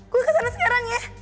gue ke sana sekarang ya